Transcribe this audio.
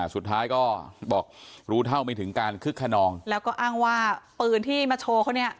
สุดท้ายก็บอกรู้เท่าไม่ถึงการคึกขนองแล้วก็อ้างว่าปืนที่มาโชว์เขาเนี่ย